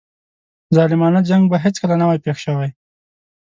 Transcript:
ظالمانه جنګ به هیڅکله نه وای پېښ شوی.